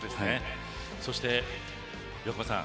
そして、横浜さん